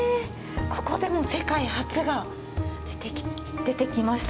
ここでも世界初が出てきましたけど。